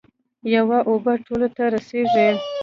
یوه اوبه ټولو ته رسیږي.